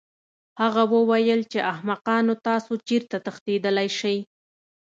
هغه وویل چې احمقانو تاسو چېرته تښتېدلی شئ